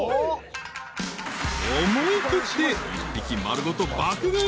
［思い切って一匹丸ごと爆買い］